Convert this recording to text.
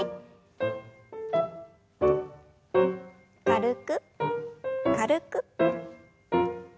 軽く軽く。